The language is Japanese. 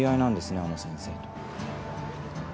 あの先生と。